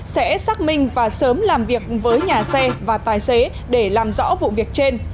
sẽ xác minh và sớm làm việc với nhà xe và tài xế để làm rõ vụ việc trên